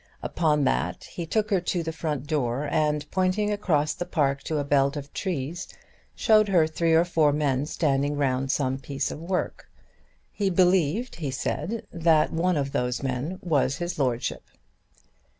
Upon that he took her to the front door and pointing across the park to a belt of trees, showed her three or four men standing round some piece of work. He believed, he said, that one of those men was his lordship.